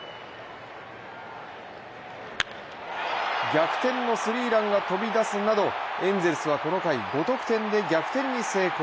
逆転のスリーランが飛び出すなどエンゼルスはこの回５得点で逆転に成功。